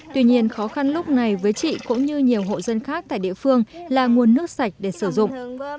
tuy nhiên khó khăn lúc này với chị cũng như nhiều hộ dân khác tại địa phương là nguồn nước sạch để sử dụng